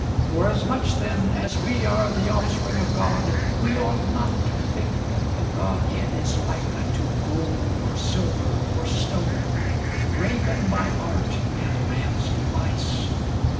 Forasmuch then as we are the offspring of God, we ought not to think that the Godhead is like unto gold, or silver, or stone, graven by art and man's device.